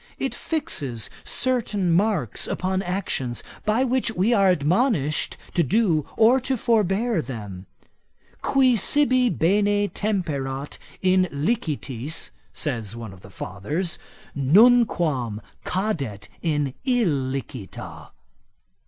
It fixes certain marks upon actions, by which we are admonished to do or to forbear them. Qui sibi bene temperat in licitis, says one of the fathers, nunquam cadet in illicita.